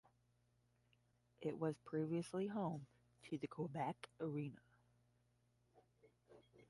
It was previously home to the Quebec Arena.